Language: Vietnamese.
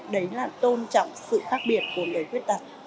đấy là tôn trọng sự khác biệt của người khuyết tật